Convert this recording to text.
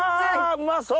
うまそう！